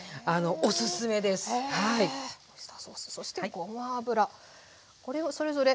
そしてごま油。